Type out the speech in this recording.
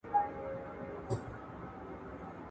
خپل ځان له بدو خلګو لري ساتئ.